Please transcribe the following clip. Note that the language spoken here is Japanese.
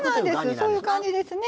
そういう感じですね。